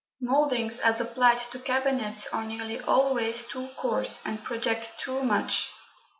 Mouldings as applied to cabinets are nearly always too coarse, and project too much.